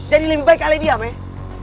jadi lebih baik ale diam eh